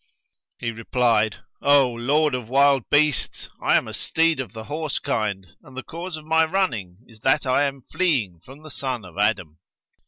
He replied, O lord of wild beasts, I am a steed of the horse kind, and the cause of my running is that I am fleeing from the son of Adam.'